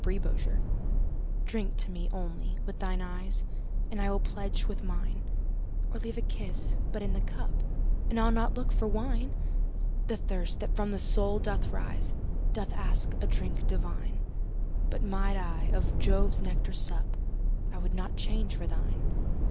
Y Z To Celia DRINK to me, only, with thine eyes, And I will pledge with mine; Or leave a kiss but in the cup, And I'll not look for wine. The thirst that from the soul doth rise, Doth ask a drink divine: But might I of Jove's nectar sup, I would not change for thine.